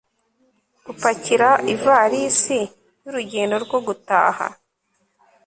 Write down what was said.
gupakira ivalisi y'urugendo rwo gutaha